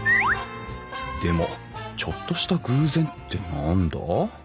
でもちょっとした偶然って何だ？